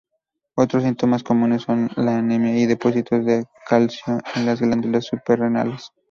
Otros síntomas comunes son anemia y depósitos de calcio en las glándulas suprarrenales.